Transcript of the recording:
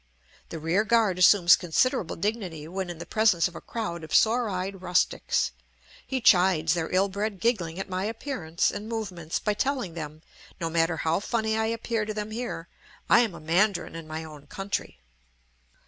The rear guard assumes considerable dignity when in the presence of a crowd of sore eyed rustics; he chides their ill bred giggling at my appearance and movements by telling them, no matter how funny I appear to them here, I am a mandarin in my own country.